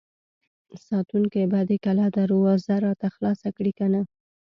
ساتونکي به د کلا دروازه راته خلاصه کړي که نه!